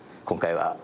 今回は。